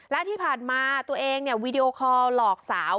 และที่ผ่านมาตัวเองวีดีโอคอลหลอกสาว